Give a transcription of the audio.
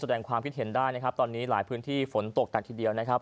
แสดงความคิดเห็นได้นะครับตอนนี้หลายพื้นที่ฝนตกหนักทีเดียวนะครับ